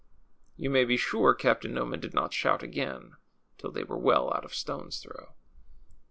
You may be sure Cap)tain Noman did not shout again till they were well out of stone' s throw.